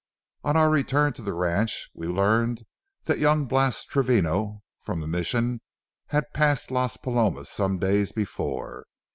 On our return to the ranch, we learned that young Blas Travino from the Mission had passed Las Palomas some days before.